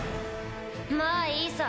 まぁいいさ。